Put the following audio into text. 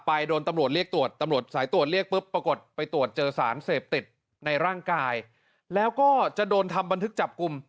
โดนตำรวจเรียกตรวจตำรวจสายตรวจเรียกปุ๊บปรากฏไปตรวจเจอสารเสพติดในร่างกายแล้วก็จะโดนทำบันทึกจับกลุ่ม